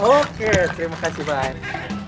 oke terima kasih bang